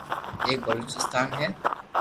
ايڪ بلوچستان ھي